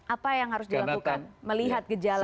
apa yang harus dilakukan melihat gejala